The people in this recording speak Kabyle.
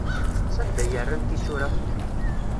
Sanda ay rran tisura?